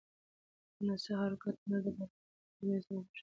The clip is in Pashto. د نڅا او حرکاتو هنر د بدن او روح تر منځ همغږي پیدا کوي.